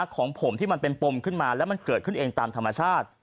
ของผมที่มันเป็นปมขึ้นมาแล้วมันเกิดขึ้นเองตามธรรมชาติ